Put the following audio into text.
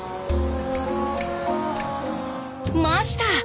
ました！